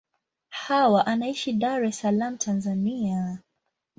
Hawa anaishi Dar es Salaam, Tanzania.